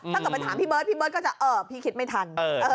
ถ้าเกิดไปถามพี่เบิร์ดพี่เบิร์ตก็จะพี่คิดไม่ทัน